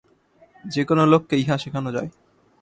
যে-কোন লোককে ইহা শেখানো যায়।